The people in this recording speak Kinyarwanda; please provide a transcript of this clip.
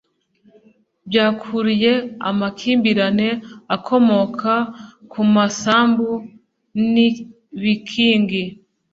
byakuruye amakimbirane akomoka ku masambu n'ibikingi.